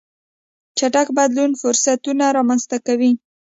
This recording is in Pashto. چټک بدلونونه فرصتونه رامنځته کوي.